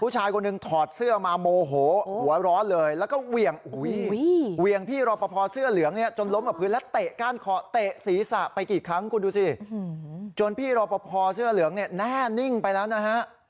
จนพี่รอปภเสื้อเหลืองเนี่ยแน่นิ่งไปแล้วนะฮะ